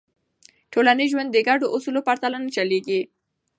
ټولنیز ژوند د ګډو اصولو پرته نه چلېږي.